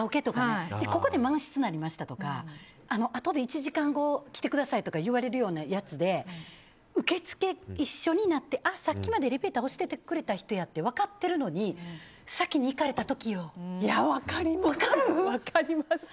ここで満室になりましたとかあと１時間後に来てくださいとかいわれるようなやつで受付、一緒になって、さっきまでエレベーター押しててくれた人やって分かってるのに分かります！